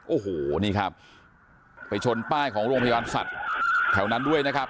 โอ้โหนี่ครับไปชนป้ายของโรงพยาบาลสัตว์แถวนั้นด้วยนะครับ